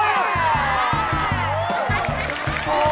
โอ้โห